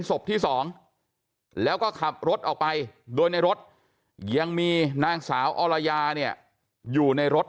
ศพที่๒แล้วก็ขับรถออกไปโดยในรถยังมีนางสาวอรยาเนี่ยอยู่ในรถ